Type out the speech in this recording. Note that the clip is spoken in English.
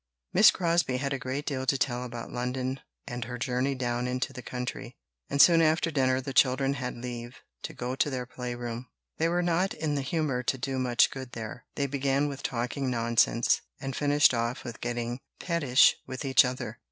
Miss Crosbie had a great deal to tell about London and her journey down into the country; and soon after dinner the children had leave to go to their play room. They were not in the humour to do much good there: they began with talking nonsense, and finished off with getting pettish with each other.